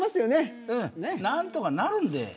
何とかなるんで。